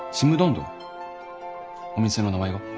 お店の名前が？